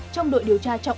trong đội điều tra trọng